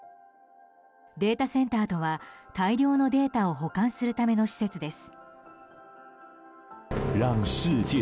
データセンターとは大量のデータを保管するための施設です。